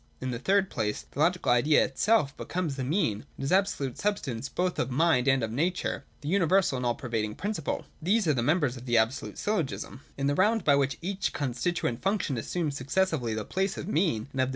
In the third place again the Logical Idea itself becomes the mean : it is the absolute substance both of mind and of nature, the universal and all pervading principle. These are the members of the Absolute Syllogism. 188.] In the round by which each constituent function assumes successively the place of mean and of the two i88, 1S9.